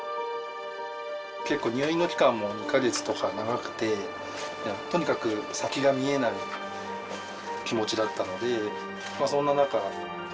結構入院の期間も２か月とか長くてとにかく先が見えない気持ちだったので。